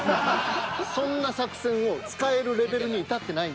そんな作戦を使えるレベルに至ってないんですよ。